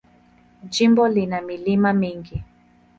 Jimbo lina milima mingi.